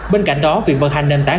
bên cạnh đó việc vận hành nền tảng